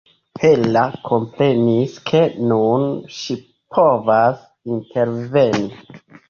Hera komprenis, ke nun ŝi povas interveni.